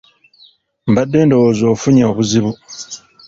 Mbadde ndowooza ofunye obuzibu .